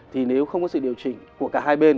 thì nếu không có sự điều chỉnh của cả hai bên